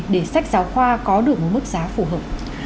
để sách giáo khoa có được một mức giá phù hợp